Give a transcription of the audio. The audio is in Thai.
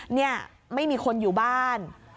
เนี่ยไม่มีคนอยู่บ้าน